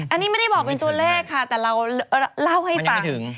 อันนี้ไม่ได้บอกเป็นตัวเลขค่ะแต่เราเล่าให้ฟัง